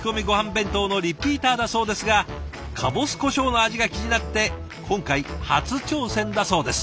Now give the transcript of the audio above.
弁当のリピーターだそうですがかぼす胡椒の味が気になって今回初挑戦だそうです。